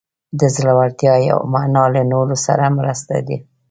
د زړورتیا یوه معنی له نورو سره مرسته ده.